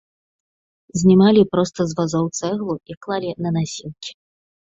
Знімалі проста з вазоў цэглу і клалі на насілкі.